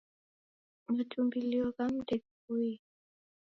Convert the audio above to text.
Matumbulio ghamu ndeghipoiye.